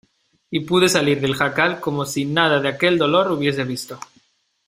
y pude salir del jacal como si nada de aquel dolor hubiese visto.